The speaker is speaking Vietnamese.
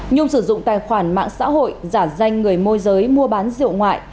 nhung sử dụng tài khoản mạng xã hội giả danh người môi giới mua bán rượu ngoại